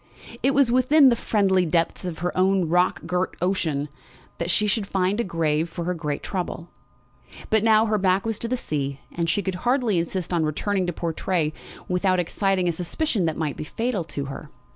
It was within the "friendly depths of her own rock girt ocean" that she should find a grave for her great trouble. But now her back was to the sea, and she could hardly insist on returning to Portray without exciting a suspicion that might be fatal to her.